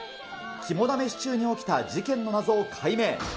肝試し中に起きた事件の謎を解明。